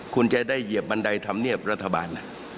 คุณจะได้เหยียบบันไดธรรมเนียบรัฐบาล